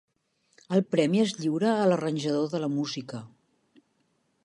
El premi es lliura a l'arranjador de la música.